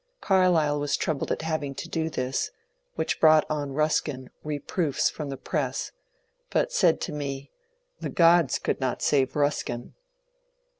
Carlyle was troubled at having to do this, which brought on Ruskin re proofs from the press, but said to me, ^^ The gods could not save Ruskin."